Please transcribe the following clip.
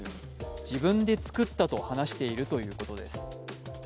自分で作ったと話しているということです。